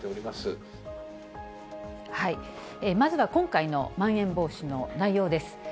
まずは今回のまん延防止の内容です。